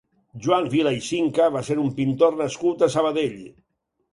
Joan Vila i Cinca va ser un pintor nascut a Sabadell.